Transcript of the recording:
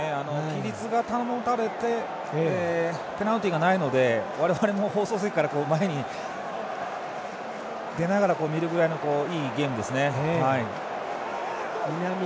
規律が保たれてペナルティーがないので我々も、放送席から前に出ながら見るぐらいの、いいゲームですね。